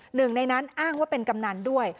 หนึ่งในนั้นอ้างว่าเป็นกำนันด้วย